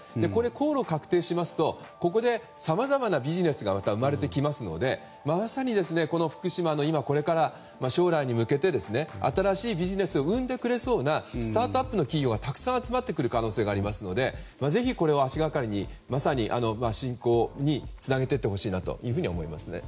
航路が確定しますとここで、さまざまなビジネスがまた生まれてきますのでまさに福島のこれからの将来に向けて、新しいビジネスを生んでくれそうなスタートアップ企業がたくさん集まってくる可能性があるのでぜひこれを足掛かりに、振興につなげていってほしいなと思いますね。